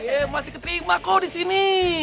iya masih keterima kok disini